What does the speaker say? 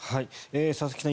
佐々木さん